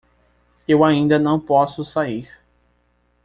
Eu ainda não posso sair